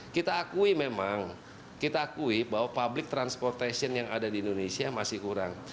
kita akui memang kita akui bahwa public transportation yang ada di indonesia masih kurang